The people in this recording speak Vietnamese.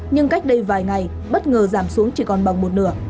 nhưng cách đây vài ngày bất ngờ giảm xuống chỉ còn bằng một nửa